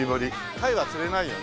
鯛は釣れないよね？